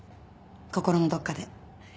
心のどっかで。